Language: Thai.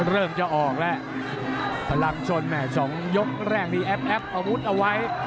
เริ่มจะออกแล้วพลังชนแห่สองยกแรกนี่แอปแอปอาวุธเอาไว้